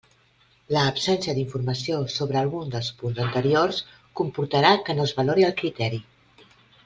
L'absència d'informació sobre algun dels punts anteriors comportarà que no es valori el criteri.